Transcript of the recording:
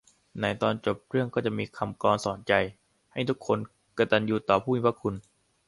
ในตอนจบเรื่องก็จะมีคำกลอนสอนใจให้ทุกคนกตัญญูต่อผู้มีพระคุณ